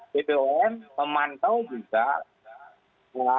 ppo memantau juga